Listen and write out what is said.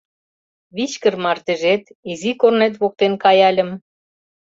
«Вичкыж мардежет», «Изи корнет воктен каяльым»...